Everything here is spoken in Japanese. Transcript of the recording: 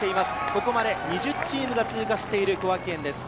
ここまで２０チームが通過している小涌園です。